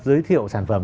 giới thiệu sản phẩm